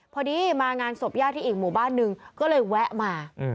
พอดีมางานศพญาติที่อีกหมู่บ้านหนึ่งก็เลยแวะมา